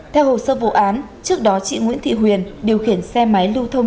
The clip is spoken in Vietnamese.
theo hồ sơ vụ án trước đó chị nguyễn thị huyền điều khiển xe máy lưu thông